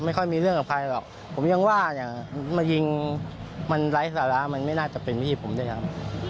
ไม่ค่อยมีเรื่องกับใครหรอกผมยังว่าอย่างมายิงมันไร้สาระมันไม่น่าจะเป็นพี่ผมด้วยซ้ำ